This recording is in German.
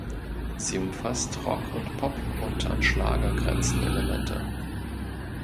Sie umfasst Rock- und Pop- und an Schlager grenzende Elemente.